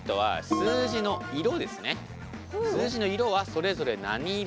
数字の色はそれぞれ何色なのか。